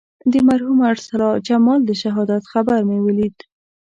د مرحوم ارسلا جمال د شهادت خبر مې ولید.